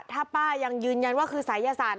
ถ้าป้ายังยืนยันว่าคือศัยศาสต